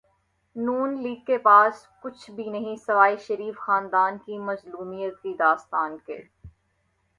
ن لیگ کے پاس کچھ بھی نہیں سوائے شریف خاندان کی مظلومیت کی داستان کے۔